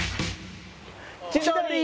千鳥。